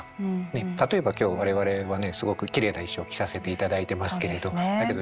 例えば今日我々はねすごくきれいな衣装を着させていただいてますけれどだけど